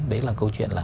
đấy là câu chuyện là